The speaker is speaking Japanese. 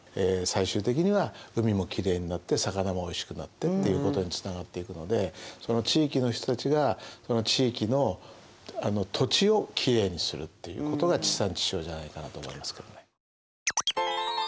最終的には海もきれいになって魚もおいしくなってっていうことにつながっていくのでその地域の人たちがその地域の土地をきれいにするっていうことが地産地消じゃないかなと思いますけどね。